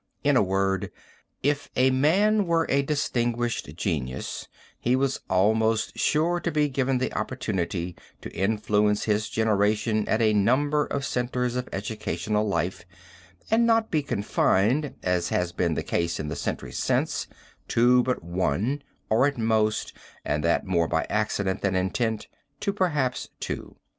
In a word, if a man were a distinguished genius he was almost sure to be given the opportunity to influence his generation at a number of centers of educational life, and not be confined as has been the case in the centuries since to but one or at most, and that more by accident than intent, to perhaps two.